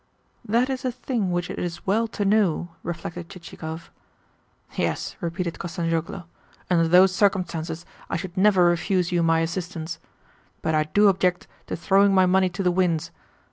"That is a thing which it is well to know," reflected Chichikov. "Yes," repeated Kostanzhoglo, "under those circumstances I should never refuse you my assistance. But I do object to throwing my money to the winds.